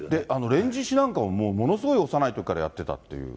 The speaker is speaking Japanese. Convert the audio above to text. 連獅子なんかもものすごい幼いときからやってたっていう。